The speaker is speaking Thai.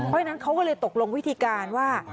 เพราะฉะนั้นเขาก็เลยตกลงวิธีการว่า